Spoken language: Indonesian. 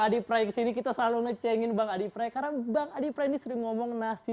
adi prayeksi ini kita selalu ngecengin bang adi pray karena bang adi prani sering ngomong nasi